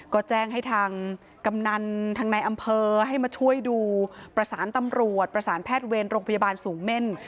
ก็แจ้งให้ทางกำนันทางในอำเภอให้มาช่วยดูประสานตำรวจประสานแพทย์เวรโรงพยาบาลสูงเม่น